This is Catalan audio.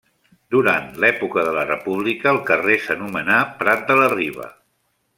Durant l'època de la República el carrer s'anomenà Prat de la Riba.